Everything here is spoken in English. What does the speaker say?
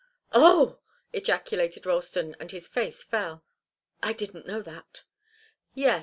"Oh!" ejaculated Ralston, and his face fell. "I didn't know that." "Yes.